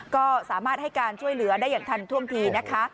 ก็สามารถให้การช่วยเหลือได้อย่างทันท่วงทีนะคะ